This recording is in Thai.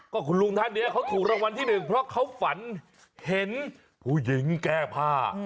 ก็คุณลุงท่านนี้เขาถูกรางวัลที่หนึ่งเพราะเขาฝันเห็นผู้หญิงแก้ผ้า